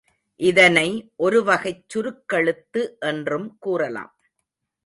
இதனை ஒருவகைச் சுருக்கெழுத்து என்றும் கூறலாம்.